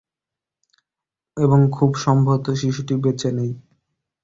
এবং খুব সম্ভব শিশুটি বেঁচে নেই।